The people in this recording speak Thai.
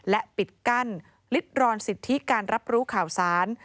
และปิดกั้นลิดรอนสิทธิการรับรู้ข่าวสาร